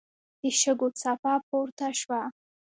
د شګو څپه پورته شوه.